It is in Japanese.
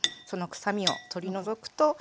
その臭みを取り除くと。